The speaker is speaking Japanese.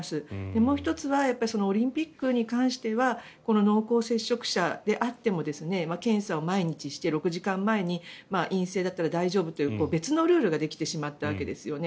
もう１つはオリンピックに関しては濃厚接触者であっても検査を毎日して、６時間前に陰性だったら大丈夫という別のルールができてしまったわけですよね。